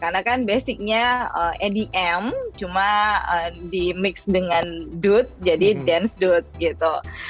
karena kan basicnya edm cuma di mix dengan dude jadi dance dude gitu